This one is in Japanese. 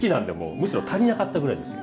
むしろ足りなかったぐらいですよ。